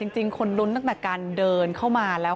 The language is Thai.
จริงคนลุ้นตั้งแต่การเดินเข้ามาแล้ว